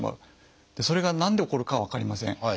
それが何で起こるかは分かりません。